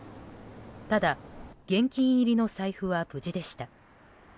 ただ、現金入りの財布は無事でした。